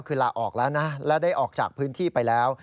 คือลาออกแล้วนะและได้ออกจากพื้นที่ไปแล้ว